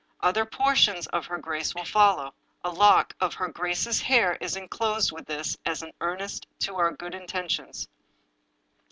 Other portions of her grace will follow. A lock of her grace's hair is inclosed with this as an earnest of our good intentions.